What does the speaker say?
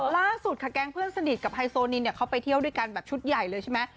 ล่าสุดค่ะแก๊งเพื่อนสนิทกับไฮโซนินเนี่ยเขาไปเที่ยวด้วยกันแบบชุดใหญ่เลยใช่ไหม